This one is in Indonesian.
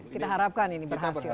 kita harapkan ini berhasil